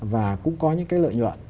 và cũng có những lợi nhuận